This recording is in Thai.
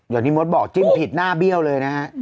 ในนี้มฤทธิ์บอกจิ้มผิดหน้าเบี่ยวเลยนะ